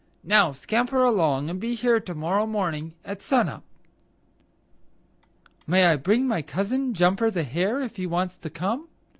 Now scamper along and be here to morrow morning at sun up." "May I bring my cousin, Jumper the Hare, if he wants to come?"